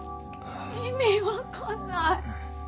意味分かんない。